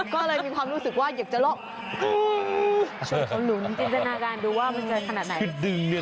ก็เลยมีความรู้สึกว่าอยากจะละการดื่ม